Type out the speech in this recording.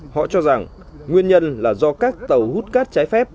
họ cho rằng nguyên nhân là do các tàu hút cát trái phép